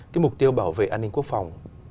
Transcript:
cái mục tiêu bảo vệ an ninh quốc phòng